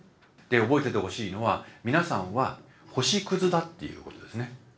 覚えててほしいのは皆さんは星くずだっていうことですね。